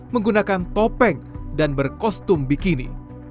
menggunakan topeng dan berkostum bikini